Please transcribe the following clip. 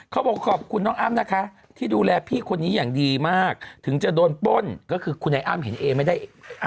บอกขอบคุณน้องอ้ำนะคะที่ดูแลพี่คนนี้อย่างดีมากถึงจะโดนป้นก็คือคุณไอ้อ้ำเห็นเอไม่ได้